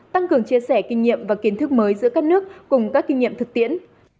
tăng cường chia sẻ kinh nghiệm và kiến thức mới giữa các nước cùng các kinh nghiệm thực tiễn